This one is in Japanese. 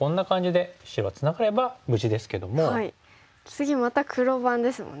次また黒番ですもんね。